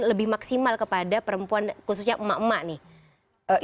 lebih maksimal kepada perempuan khususnya emak emak nih